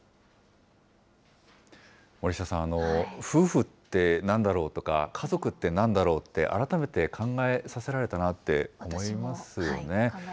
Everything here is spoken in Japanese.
森下さん、夫婦ってなんだろうとか、家族ってなんだろうって、改めて考えさせられたなって思いますよね。